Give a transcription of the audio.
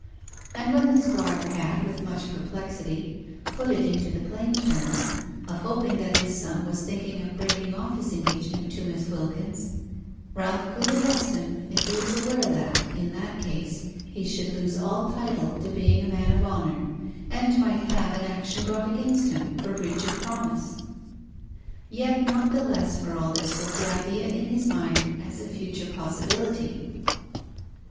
And when the squire had, with much perplexity, put it into the plain terms of hoping that his son was thinking of breaking off his engagement to Miss Wilkins, Ralph coolly asked him if he was aware that, in that case, he should lose all title to being a man of honour, and might have an action brought against him for breach of promise? Yet not the less for all this was the idea in his mind as a future possibility.